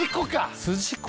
筋子